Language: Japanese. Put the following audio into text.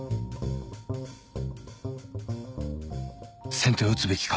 先手を打つべきか？